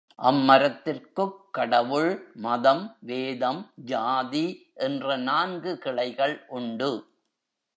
அம்மரத்திற்குக் கடவுள், மதம், வேதம், ஜாதி என்ற நான்கு கிளைகள் உண்டு.